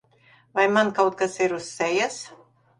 Vai man kaut kas ir uz sejas?